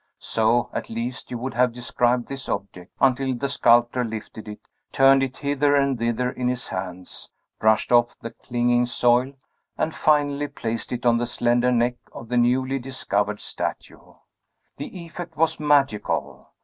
So, at least, you would have described this object, until the sculptor lifted it, turned it hither and thither in his hands, brushed off the clinging soil, and finally placed it on the slender neck of the newly discovered statue. The effect was magical.